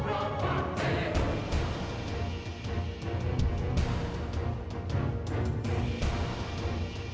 และที่หายไปสิ่งหนัง